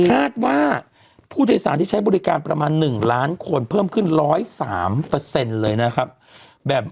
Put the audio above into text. คาดว่าผู้โดยสารที่ใช้บริการประมาณ๑ล้านคนเพิ่มขึ้น๑๐๓เลยนะครับ